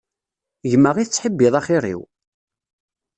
Gma i tettḥibbiḍ axir-iw?